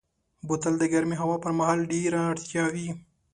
بوتل د ګرمې هوا پر مهال ډېره اړتیا وي.